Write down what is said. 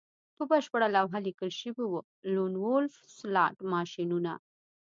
په بشپړه لوحه لیکل شوي وو د لون وولف سلاټ ماشینونه